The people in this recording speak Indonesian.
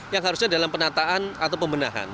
yang harusnya dalam penataan atau pembenahan